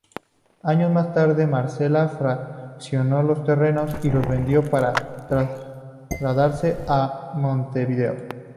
Años más tarde Marcela fraccionó los terrenos y los vendió para trasladarse a Montevideo.